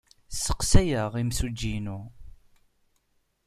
Sseqsayeɣ imsujji-inu.